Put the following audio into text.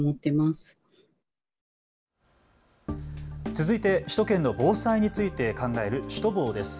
続いて首都圏の防災について考えるシュトボーです。